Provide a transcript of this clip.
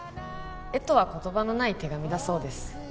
絵とは言葉のない手紙だそうです